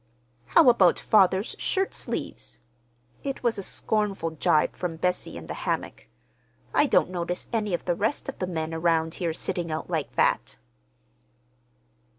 "How about father's shirt sleeves?" It was a scornful gibe from Bessie in the hammock. "I don't notice any of the rest of the men around here sitting out like that."